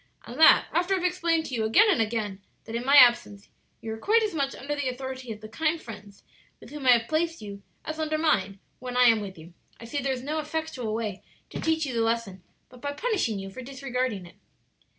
"And that after I have explained to you again and again that in my absence you are quite as much under the authority of the kind friends with whom I have placed you as under mine when I am with you. I see there is no effectual way to teach you the lesson but by punishing you for disregarding it."